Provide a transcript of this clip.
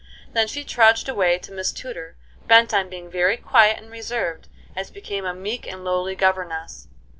Then she trudged away to Miss Tudor, bent on being very quiet and reserved, as became a meek and lowly governess.